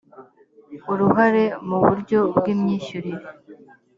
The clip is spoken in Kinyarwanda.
uruhare mu buryo bw imyishyuranire